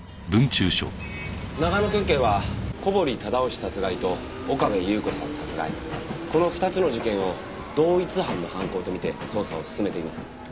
長野県警は小堀忠夫氏殺害と岡部祐子さん殺害この２つの事件を同一犯の犯行と見て捜査を進めています。